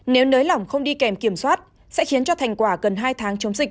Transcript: nếu nới lỏng không đi kèm kiểm soát sẽ khiến cho thành quả gần hai tháng chống dịch